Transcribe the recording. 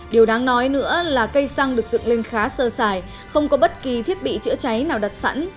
điều đáng nói nữa là cây xăng được dựng lên khá sơ sài không có bất kỳ thiết bị chữa cháy nào đặt sẵn